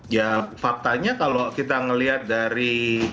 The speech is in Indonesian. ya faktanya kalau kita melihat dari